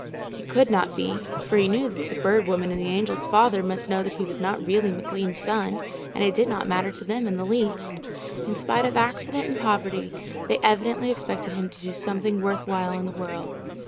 It could not be, for he knew that the Bird Woman and the Angel's father must know that he was not really McLean's son, and it did not matter to them in the least. In spite of accident and poverty, they evidently expected him to do something worth while in the world.